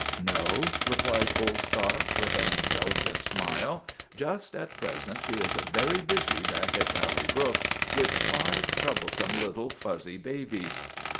" No," replied Old Scotch, with an indulgent smile. "Just at present she is very busy back at Valley Brook with five troublesome little fuzzy babies."